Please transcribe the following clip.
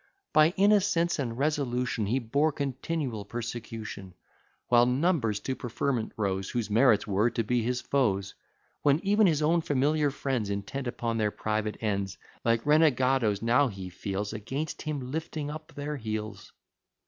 "By innocence and resolution, He bore continual persecution; While numbers to preferment rose, Whose merits were, to be his foes; When ev'n his own familiar friends, Intent upon their private ends, Like renegadoes now he feels, _Against him lifting up their heels.